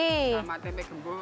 sama tempe gembong